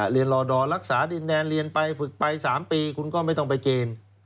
ลอดอรักษาดินแดนเรียนไปฝึกไป๓ปีคุณก็ไม่ต้องไปเกณฑ์